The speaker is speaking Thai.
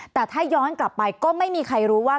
แต่ถ้าย้อนกลับไปก็ไม่มีใครรู้ว่า